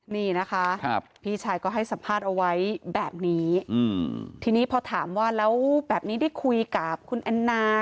นี่นะคะพี่ชายก็ให้สัมภาษณ์เอาไว้แบบนี้ทีนี้พอถามว่าแล้วแบบนี้ได้คุยกับคุณแอนนา